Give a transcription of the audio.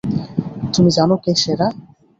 তুমি জানো কে সেরা?